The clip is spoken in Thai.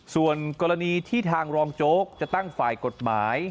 ส่วนกรณีที่ทางรองโจ๊กจะตั้งฝ่ายกฎหมาย